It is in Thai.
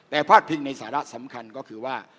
แต่พาดพิงในสาระสำคัญก็คือว่า